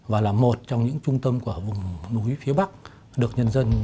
và là một trong những trung tâm của vùng núi phía bắc được nhân dân ghi nhận